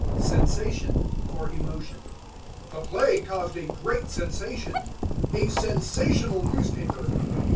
Sensation for Emotion. "The play caused a great sensation." "A sensational newspaper."